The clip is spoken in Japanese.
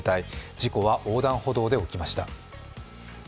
事故は横断歩道で起きました。